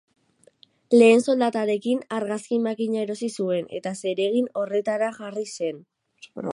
Lehen soldatarekin argazki-makina erosi zuen, eta zeregin horretara jarri zen.